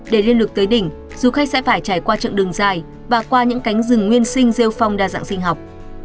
để liên lực tới đỉnh du khách sẽ phải trải qua chặng đường dài và qua những cánh rừng nguyên sinh phong đa dạng sinh học